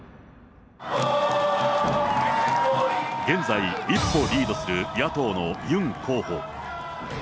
現在、一歩リードする野党のユン候補。